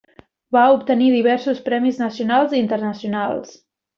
Va obtenir diversos premis nacionals i internacionals.